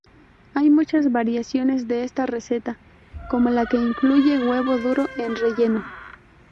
Hay muchas variaciones de esta receta, como la que incluye huevo duro en relleno.